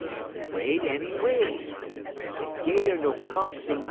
'E wait en 'e wait. Da 'Gator no come some mo'.